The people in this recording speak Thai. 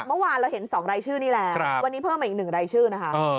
เมื่อวานเราเห็น๒รายชื่อนี่แหละวันนี้เพิ่มมาอีก๑รายชื่อนะคะ